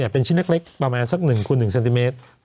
เป็นชิ้นเล็กประมาณสัก๑คูณ๑เซนติเมตร